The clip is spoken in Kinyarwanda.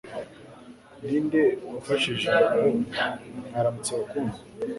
Ninde wafashe ijambo "Mwaramutse Bakundwa"?